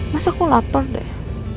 mas aku lapar deh